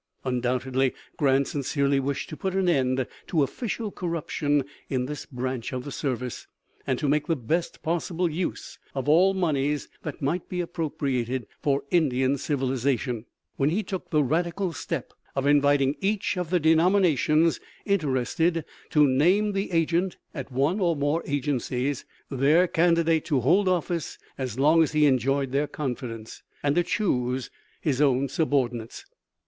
Undoubtedly Grant sincerely wished to put an end to official corruption in this branch of the service, and to make the best possible use of all moneys that might be appropriated for Indian civilization, when he took the radical step of inviting each of the denominations interested to name the agent at one or more agencies, their candidate to hold office as long as he enjoyed their confidence, and to choose his own subordinates.